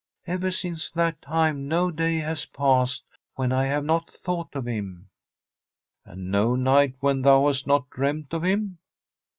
* Ever since that time no day has passed when I have not thought of him.' ' And no night when thou hast not dreamt of him?'